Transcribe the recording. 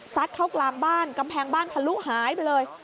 เข้ากลางบ้านกำแพงบ้านทะลุหายไปเลย